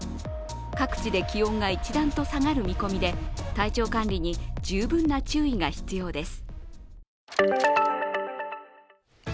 各地で気温が一段と下がる見込みで体調管理に十分な注意が必要です。